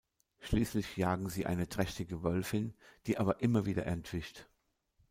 Schließlich jagen sie eine trächtige Wölfin, die aber immer wieder entwischt.